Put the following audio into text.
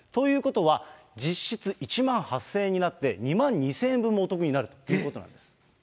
ということは、実質１万８０００円になって、２万２０００円分もお得になるということなんです。